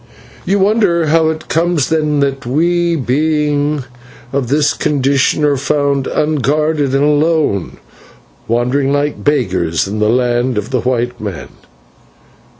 You wonder how it comes then that we, being of this condition, are found unguarded and alone, wandering like beggars in the land of the white man.